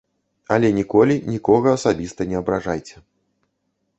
Але ніколі нікога асабіста не абражайце.